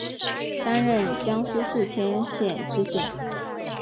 担任江苏宿迁县知县。